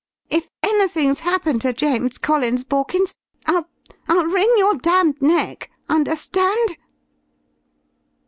If anything's happened to James Collins, Borkins, I'll I'll wring your damned neck. Understand?"